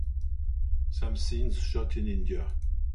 Some scenes shot in India.